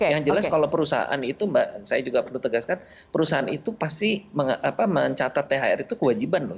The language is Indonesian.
yang jelas kalau perusahaan itu mbak saya juga perlu tegaskan perusahaan itu pasti mencatat thr itu kewajiban loh